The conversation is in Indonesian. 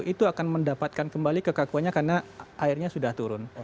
itu akan mendapatkan kembali kekakuannya karena airnya sudah turun